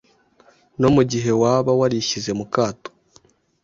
No mu gihe waba warishyize mu kato